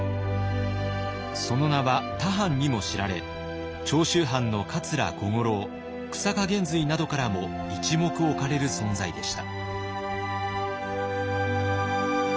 その名は他藩にも知られ長州藩の桂小五郎久坂玄瑞などからも一目置かれる存在でした。